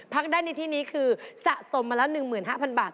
พักได้ในที่นี้คือสะสมมาแล้ว๑๕๐๐บาท